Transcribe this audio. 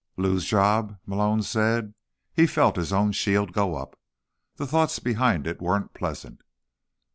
"Lou's ... job?" Malone said. He felt his own shield go up. The thoughts behind it weren't pleasant.